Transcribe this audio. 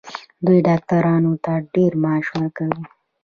دوی ډاکټرانو ته ډیر معاش ورکوي.